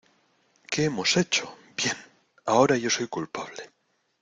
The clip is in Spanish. ¿ Qué hemos hecho? ¡ bien! ¡ ahora yo soy culpable !